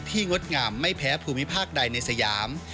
งดงามไม่แพ้ภูมิภาคใดในสยาม